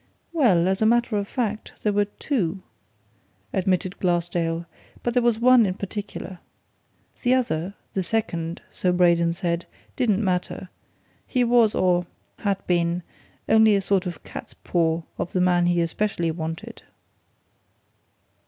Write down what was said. "Well, as a matter of fact, there were two," admitted Glassdale, "but there was one in particular. The other the second so Braden said, didn't matter; he was or had been, only a sort of cat's paw of the man he especially wanted."